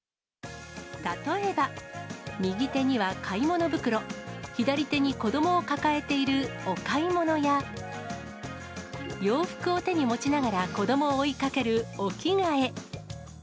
例えば、右手には買い物袋、左手に子どもを抱えているおかいものや、洋服を手に持ちながら子どもを追いかけるおきがえ。